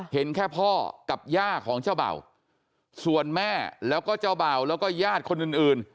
เห็นแค่พ่อกับย่าของเจ้าเบ่าส่วนแม่แล้วก็เจ้าเบ่าแล้วก็ญาติคนอื่นอื่น